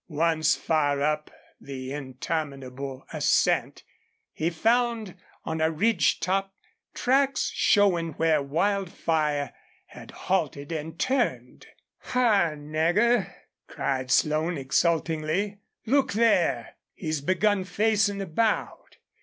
Once, far up the interminable ascent, he found on a ridge top tracks showing where Wildfire had halted and turned. "Ha, Nagger!" cried Slone, exultingly. "Look there! He's begun facin' about.